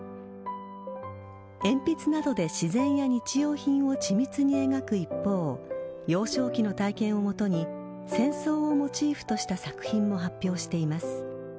鉛筆などで自然や日用品を緻密に描く一方幼少期の体験をもとに戦争をモチーフにした作品を発表しています。